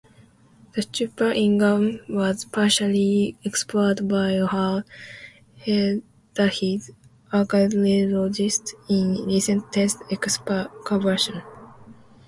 The stupa in Gan was partially explored by Thor Heyerdahl's archaeologists in recent test-excavations.